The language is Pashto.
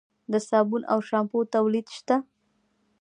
د صابون او شامپو تولید شته؟